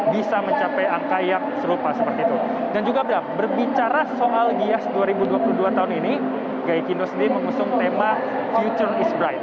dan juga berbicara soal gias dua ribu dua puluh dua tahun ini gai kindom sendiri mengusung tema future is bright